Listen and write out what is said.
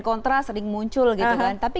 kontra sering muncul gitu kan tapi